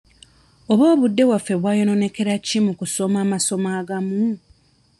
Oba obudde bwaffe bwayonoonekera ki mu kusoma amasomo agamu?